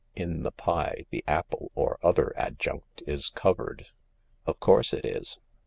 In the pie the apple or other adjunct is covered." " Of course it is."